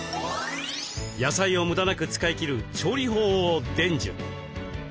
野菜をムダなく使い切る調理法を伝授。